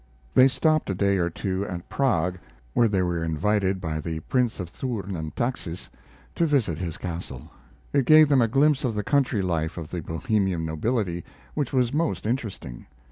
They stopped a day or two at Prague, where they were invited by the Prince of Thurn and Taxis to visit his castle. It gave them a glimpse of the country life of the Bohemian nobility which was most interesting.